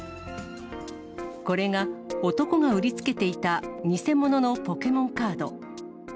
これが、男が売りつけていた偽物のポケモンカード。